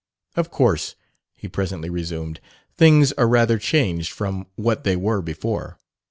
"Of course," he presently resumed, "things are rather changed from what they were before.